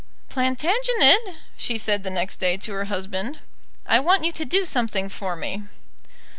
"Plantagenet," she said the next day to her husband, "I want you to do something for me."